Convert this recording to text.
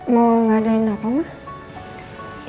mau ngadain apa mah